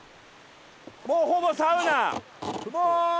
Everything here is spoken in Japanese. もうほぼサウナ。